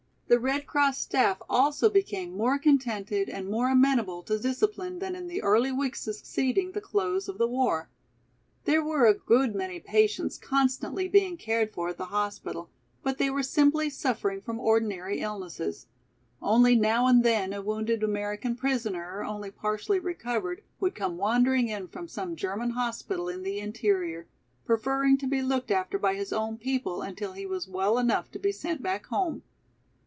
The Red Cross staff also became more contented and more amenable to discipline than in the early weeks succeeding the close of the war. There were a good many patients constantly being cared for at the hospital, but they were simply suffering from ordinary illnesses. Only now and then a wounded American prisoner, only partially recovered, would come wandering in from some German hospital in the interior, preferring to be looked after by his own people until he was well enough to be sent back home.